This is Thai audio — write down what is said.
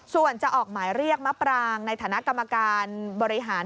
ส่วนจะออกหมายเรียกมะปรางในฐานะกรรมการบริหาร